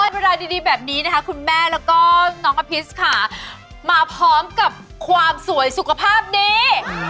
ประหลาดดีแบบนี้คุณแม่และก็น้องอภิษฎามาพร้อมกับความสวยสุขภาพดี